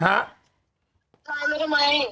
กลายเป็นทำไม